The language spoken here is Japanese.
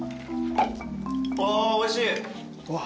あおいしい。